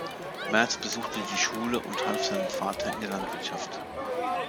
Merz besuchte die Schule und half seinem Vater in der Landwirtschaft.